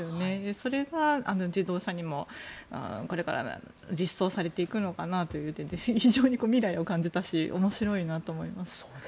それが自動車にもこれから実装されていくのかなという点で非常に未来を感じたし面白いなと思います。